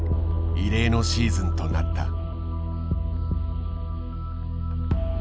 異例のシーズンとなった。